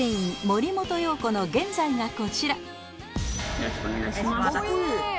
よろしくお願いします